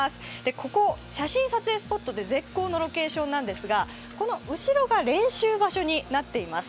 ここ、写真撮影スポットで絶好のロケーションなんですが、この後ろが練習場所になってます。